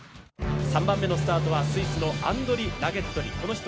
３番目のスタートはスイスのアンドリ・ラゲットリ。